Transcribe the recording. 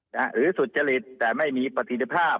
หรือสุจริตแต่ไม่มีประสิทธิภาพ